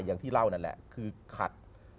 อย่างที่เล่านั่นแหละคือขัด